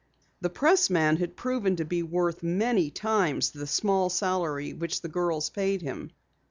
The pressman had proven to be worth many times the small salary which the girls paid him.